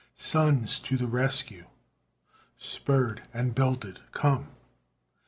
Sons, to the rescue! spurred and belted, come!